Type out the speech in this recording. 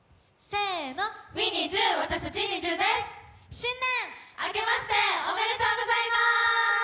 新年明けましておめでとうございます！